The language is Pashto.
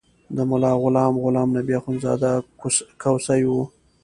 د ملا غلام غلام نبي اخندزاده کوسی و.